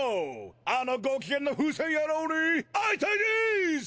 あのご機嫌な風船野郎に会いたいディス！？